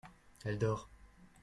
elle dort.